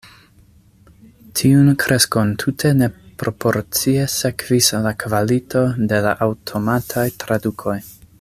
Tiun kreskon tute ne proporcie sekvis la kvalito de la aŭtomataj tradukoj.